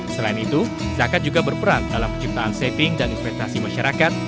selain itu zakat juga berperan dalam penciptaan saving dan investasi masyarakat